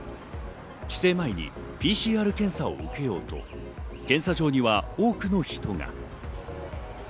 帰省前にＰＣＲ検査を受けようと検査場には多くの人が。